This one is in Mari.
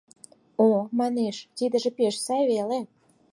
— О, — манеш, — тидыже пеш сай веле!